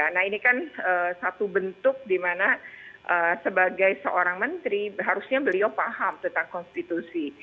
nah ini kan satu bentuk dimana sebagai seorang menteri harusnya beliau paham tentang konstitusi